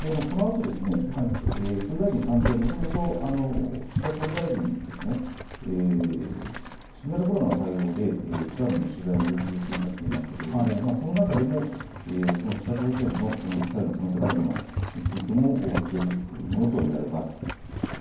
このあと総理大臣官邸、もともと岸田総理大臣は新型コロナの対応で記者団の取材に応じる予定になっていましたがその中でも北朝鮮のミサイルの可能性があるものについても触れるものと見られます。